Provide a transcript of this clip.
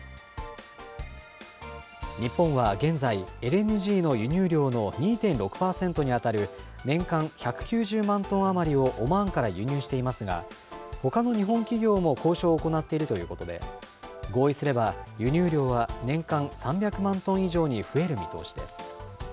日本は現在、ＬＮＧの輸入量の２．６％に当たる、年間１９０万トン余りをオマーンから輸入していますが、ほかの日本企業も交渉を行っているということで、合意すれば輸入量は年間３００万トン以上に増える見通しです。